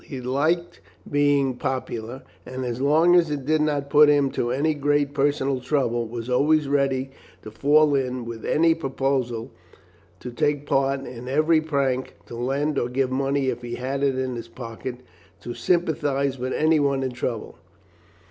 He liked being popular, and as long as it did not put him to any great personal trouble was always ready to fall in with any proposal, to take part in every prank, to lend or give money if he had it in his pocket, to sympathize with any one in trouble.